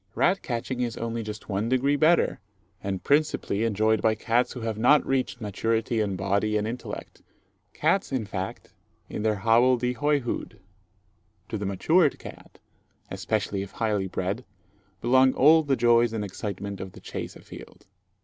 Rat catching is only just one degree better, and principally enjoyed by cats who have not reached maturity in body and intellect cats, in fact, in their hobble de hoy hood. To the matured cat, especially if highly bred, belong all the joys and excitement of the chase a field.